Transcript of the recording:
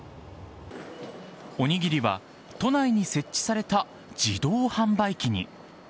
お握りは都内に設置された自動販売機に。